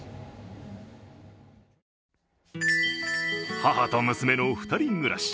母と娘の２人暮らし。